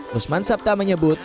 nusman sabda menyebut